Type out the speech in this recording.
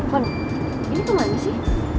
kon ini kemana sih